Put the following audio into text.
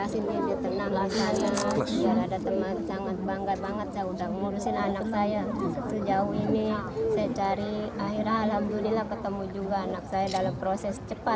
sejauh ini saya cari akhirnya alhamdulillah ketemu juga anak saya